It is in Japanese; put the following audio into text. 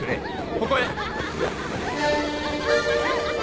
ここへ！